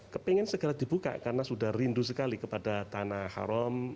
kepingin segera dibuka karena sudah rindu sekali kepada tanah haram